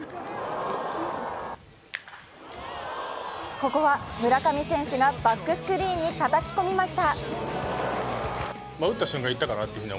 ここは村上選手がバックスクリーンにたたき込みました。